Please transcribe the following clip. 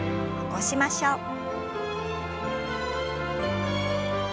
起こしましょう。